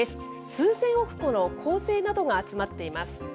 数千億個の恒星などが集まっています。